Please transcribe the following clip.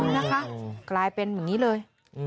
นะคะกลายเป็นแบบนี้เลย